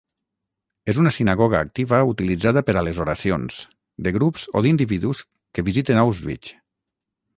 És una sinagoga activa utilitzada per a les oracions, de grups o d"individus, que visiten Auschwitz.